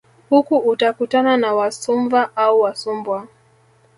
Huku utakutana na Wasumva au Wasumbwa